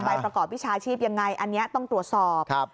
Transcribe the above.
ประกอบวิชาชีพยังไงอันนี้ต้องตรวจสอบ